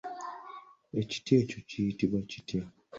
Ekiti ekyo kiyitibwa kitya?